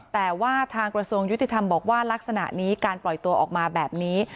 แต่ว่าทางกระทรวงยุติธรรมบอกว่าลักษณะนี้การปล่อยตัวออกมาแบบนี้